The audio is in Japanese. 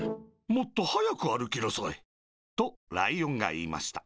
もっとはやくあるきなさい」とライオンがいいました。